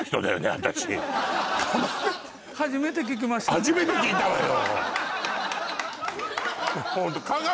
私初めて聞いたわよ